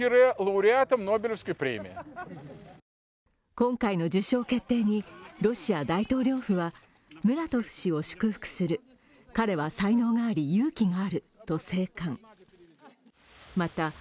今回の受賞決定にロシア大統領府はムラトフ氏を祝福する、彼は才能があり勇気があると静観。